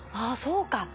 あそうか。